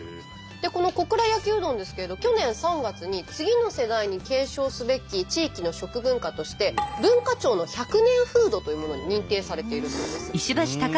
この小倉焼うどんですけれど去年３月に次の世代に継承すべき地域の食文化として文化庁の１００年フードというものに認定されているそうです。